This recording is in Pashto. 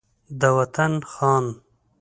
د وطن خان